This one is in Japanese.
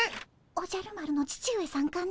おじゃる丸の父上さんかね？